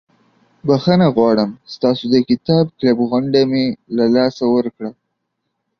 بخښنه غواړم ستاسو د کتاب کلب غونډه مې له لاسه ورکړه.